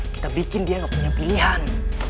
kita bikin dia gak punya pilihan